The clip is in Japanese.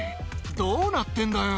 どうなってんだよ。